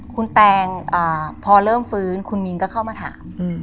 คุณแตงพอเริ่มฟื้นคุณมินก็เข้ามาถาม